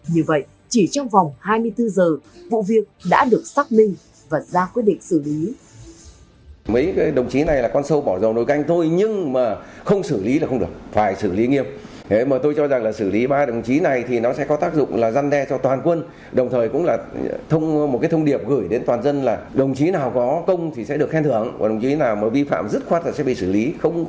như vậy chỉ trong vòng hai mươi bốn giờ vụ việc đã được xác minh và ra quyết định xử lý